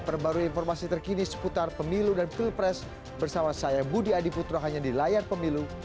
perbarui informasi terkini seputar pemilu dan pilpres bersama saya budi adiputro hanya di layar pemilu